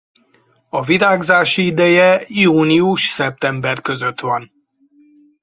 A virágzási ideje június–szeptember között van.